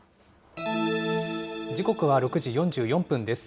時刻は６時４４分です。